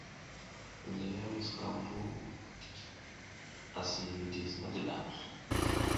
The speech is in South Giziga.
Mizliy ara musukam vu asi widis madiɗa.